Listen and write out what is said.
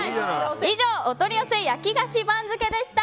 以上、お取り寄せ焼き菓子番付でした！